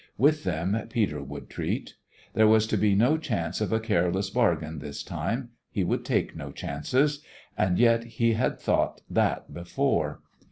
With them Peter would treat. There was to be no chance of a careless bargain this time. He would take no chances. And yet he had thought that before.